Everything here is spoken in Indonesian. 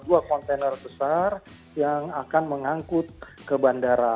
sebuah kontainer besar yang akan mengangkut ke bandara